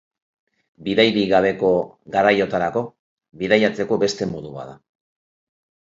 Bidairik gabeko garaiotarako bidaiatzeko beste modu bat.